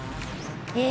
え